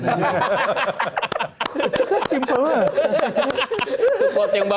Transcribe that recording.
itu kan simpel banget